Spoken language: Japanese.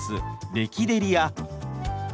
「レキデリ」や。